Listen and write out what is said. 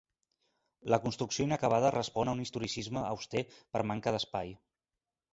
La construcció inacabada respon a un historicisme auster per manca d'espai.